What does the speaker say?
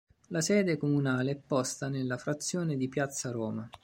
La sede comunale è posta nella frazione di Piazza Roma.